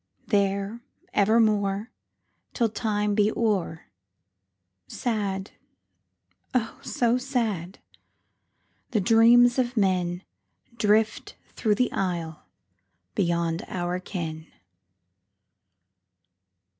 There evermore, Till Time be o'er, Sad, oh, so sad! the Dreams of menDrift through the Isle beyond our ken.